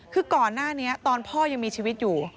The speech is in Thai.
คือก่อนหน้านี้ตอนพ่อยังมีชีวิตอยู่